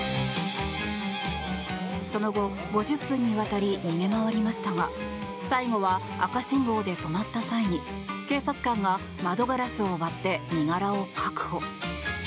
その後、５０分にわたり逃げ回りましたが最後は赤信号で止まった際に警察官が窓ガラスを割って身柄を確保。